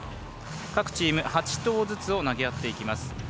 各チーム８投ずつを投げ合っていきます。